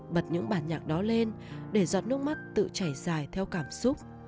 bật những bản nhạc đó lên để giọt nước mắt tự chảy dài theo cảm xúc